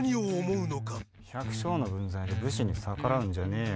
百姓の分際で武士に逆らうんじゃねえよ